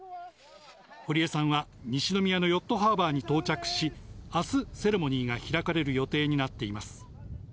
堀江さんは、西宮のヨットハーバーに到着し、あす、セレモニーが開かれる予定